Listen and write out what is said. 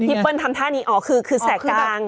พี่เปิ้ลทำท่านี้อ่อคือแสกกลาง